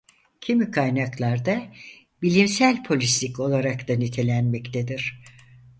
Kimi kaynaklarda "bilimsel polislik" olarak da nitelenmektedir.